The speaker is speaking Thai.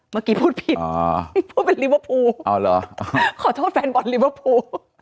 เมื่อกี้พูดผิดพูดเป็นลิเวอร์พูลอ๋อเหรอขอโทษแฟนบอลลิเวอร์พูล